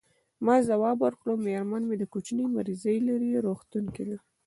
ما ځواب ورکړ: میرمن مې د کوچني مریضي لري، روغتون کې ده.